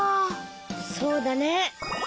そうだね。